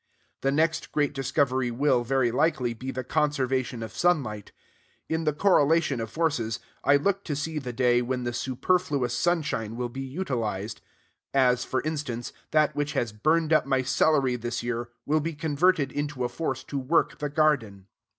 The next great discovery will, very likely, be the conservation of sunlight. In the correlation of forces, I look to see the day when the superfluous sunshine will be utilized; as, for instance, that which has burned up my celery this year will be converted into a force to work the garden.